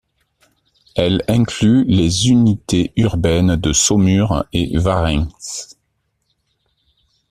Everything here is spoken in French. Elle inclut les unités urbaines de Saumur et Varrains.